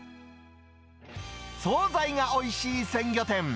総菜がおいしい鮮魚店。